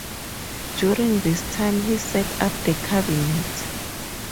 During this time, he set up The Cabinet.